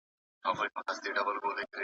سياسي قدرت د ولس له ملاتړ پرته هيڅ دی.